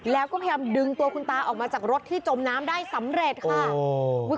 แล้วก็พยายามดึงตัวคุณตาออกมาจากรถที่จมน้ำได้สำเร็จค่ะ